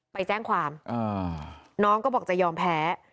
ไปแจ้งความน้องก็บอกจะยอมแพ้